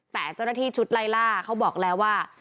แต่เจ้าหน้าที่ชุดไล่ล่าเขาบอกแล้วว่า